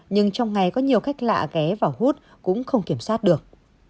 nhưng trong ngày có nhiều khách lạ ghé vào hút cũng không kiểm soát được